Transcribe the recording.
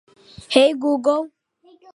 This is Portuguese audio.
Com quantos anos você terminou a faculdade?